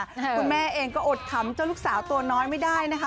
คุณแม่เองก็อดขำเจ้าลูกสาวตัวน้อยไม่ได้นะคะ